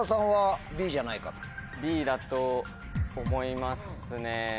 Ｂだと思いますね。